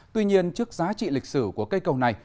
tuy nhiên trước giá trị lịch sử của cây cầu này